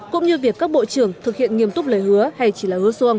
cũng như việc các bộ trưởng thực hiện nghiêm túc lời hứa hay chỉ là hứa xuông